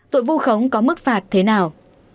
tội vũ khống có mức phạt thế nào